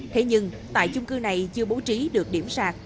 thế nhưng tại chung cư này chưa bố trí được điểm sạc